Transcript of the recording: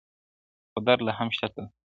خو درد لا هم شته تل,